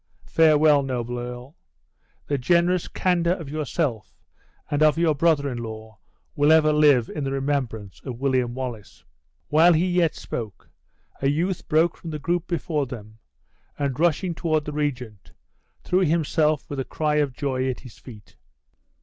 Farewell, noble earl; the generous candor of yourself and of your brother in law will ever live in the remembrance of William Wallace." While he yet spoke, a youth broke from the group before them, and rushing toward the regent, threw himself with a cry of joy at his feet.